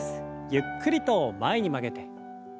ゆっくりと前に曲げて。